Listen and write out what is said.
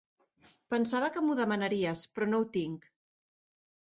Pensava que m'ho demanaries, però no ho tinc.